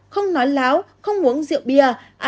không nói láo không uống rượu bia